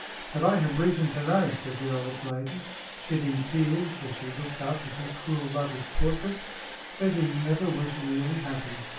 "But I have reason to know," said the old lady, shedding tears as she looked up at her cruel lover's portrait, "that he never was really happy."